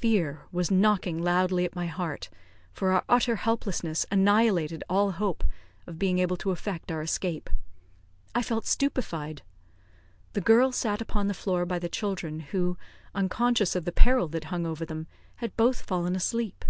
Fear was knocking loudly at my heart, for our utter helplessness annihilated all hope of being able to effect our escape I felt stupefied. The girl sat upon the floor by the children, who, unconscious of the peril that hung over them, had both fallen asleep.